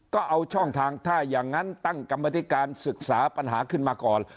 ก็เอาช่องทางถ้าอย่างนั้นตั้งกรรมธิการศึกษาปัญหาขึ้นมาก่อน